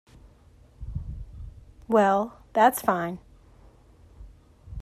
Well, that's fine.